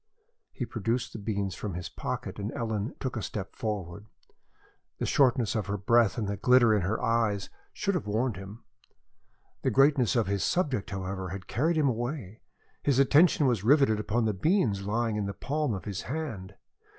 He produced the beans from his pocket and Ellen took a step forward. The shortness of her breath and the glitter in her eyes should have warned him. The greatness of his subject, however, had carried him away. His attention was riveted upon the beans lying in the palm of his hand.